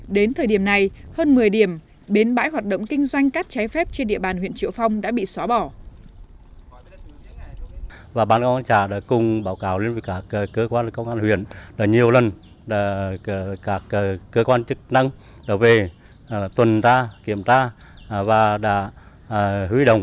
đến thời điểm này hơn một mươi điểm bến bãi hoạt động kinh doanh cát trái phép trên địa bàn huyện triệu phong đã bị xóa bỏ